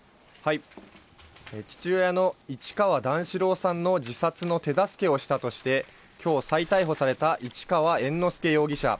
父親の市川段四郎さんの自殺の手助けをしたとして、きょう再逮捕された市川猿之助容疑者。